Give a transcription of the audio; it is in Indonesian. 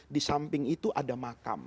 di samping itu ada makam